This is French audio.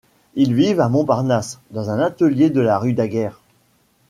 Ils vivent à Montparnasse, dans un atelier de la rue Daguerre.